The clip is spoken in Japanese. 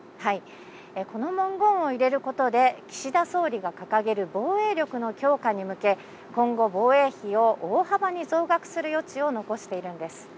この文言を入れることで、岸田総理が掲げる防衛力の強化に向け、今後、防衛費を大幅に増額する余地を残しているんです。